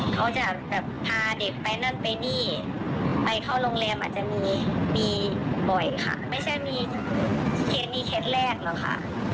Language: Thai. ก็จะแบบพาเด็กแม่นั่นไปนี่ข้อโรงแรมอาจจะมีมีบ่อยค่ะไม่ใช่มีเทสแรกแล้วค่ะ